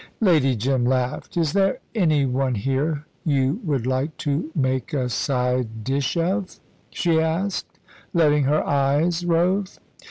Lady Jim laughed. "Is there any one here you would like to make a side dish of?" she asked, letting her eyes rove.